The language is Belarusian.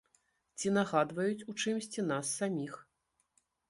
Ці нагадваюць у чымсьці нас саміх?